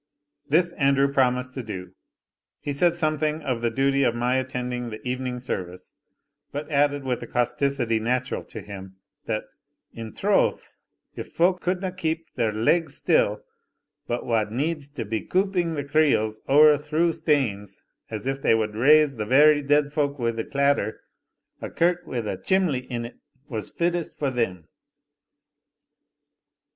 This Andrew promised to do. He said something of the duty of my attending the evening service; but added with a causticity natural to him, that "in troth, if folk couldna keep their legs still, but wad needs be couping the creels ower through stanes, as if they wad raise the very dead folk wi' the clatter, a kirk wi' a chimley in't was fittest for them."